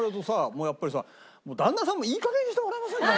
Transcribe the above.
もうやっぱりさ旦那さんもいい加減にしてもらえませんかね？